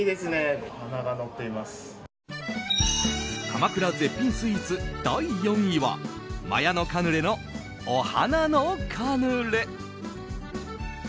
鎌倉絶品スイーツ第４位はマヤノカヌレのお花のカヌレ。